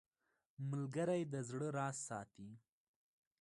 ملګری د زړه راز ساتي